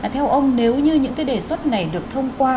theo ông nếu như những cái đề xuất này được thông qua